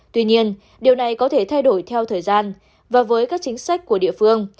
tuy nhiên điều này có thể thay đổi theo thời gian và với các chính sách của địa phương